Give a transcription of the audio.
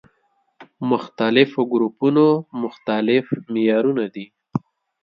مختلفو ګروپونو مختلف معيارونه دي.